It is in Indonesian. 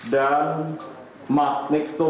dan multi beam sonal